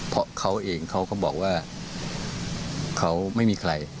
เพราะเค้าเองเค้าบอกว่าเค้าไม่มีใคร